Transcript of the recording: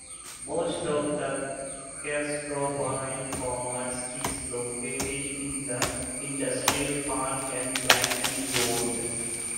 Most of Castroville's commerce is located in the Industrial Park on Blackie Road.